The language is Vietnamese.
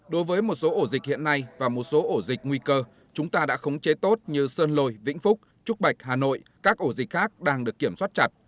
đối với một số ổ dịch hiện nay và một số ổ dịch nguy cơ chúng ta đã khống chế tốt như sơn lồi vĩnh phúc trúc bạch hà nội các ổ dịch khác đang được kiểm soát chặt